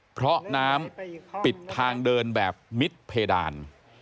เพราะน้ำปิดทางเดินแบบมิดเพดาน